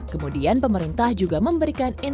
kemudian pemerintah juga memberikan informasi